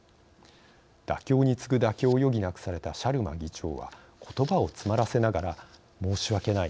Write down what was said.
妥協に次ぐ妥協を余儀なくされたシャルマ議長はことばを詰まらせながら「申し訳ない。